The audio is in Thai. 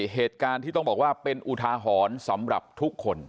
เหตุการณ์ที่ต้องบอกว่าเป็นอุทาหรณ์สำหรับทุกคน